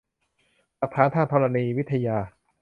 หลักฐานทางธรณีวิทยา